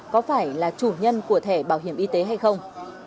có phải là chủ nhân của thẻ bảo hiểm y tế hay không